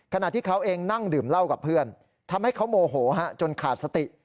ขณะที่เขาเองนั่งดื่มเหล้ากับเพื่อนทำให้เขาโมโหจนขาดสติ